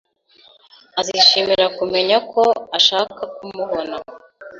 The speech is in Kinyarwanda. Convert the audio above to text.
Azishimira kumenya ko ushaka kumubona.